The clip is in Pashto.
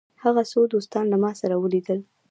هغه څو دوستان له ما سره ولیدل.